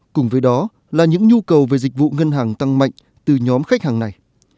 cùng với đó là những nhu cầu về dịch vụ ngân hàng tăng mạnh từ nhóm khách hàng này